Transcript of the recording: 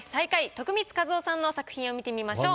徳光和夫さんの作品を見てみましょう。